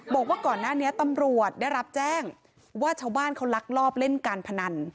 บอกว่าก่อนหน้านี้ตำรวจได้รับแจ้งว่าชาวบ้านเขาลักลอบเล่นการพนัน